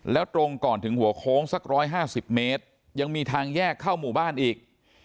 แล้วตรงก่อนถึงหัวโค้งสัก๑๕๐เมตรยังมีทางแยกเข้าหมู่บ้านอีก